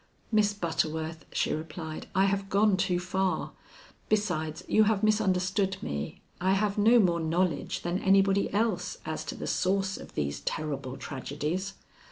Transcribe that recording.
"Miss Butterworth," she replied, "I have gone too far. Besides, you have misunderstood me. I have no more knowledge than anybody else as to the source of these terrible tragedies.